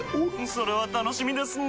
それは楽しみですなぁ。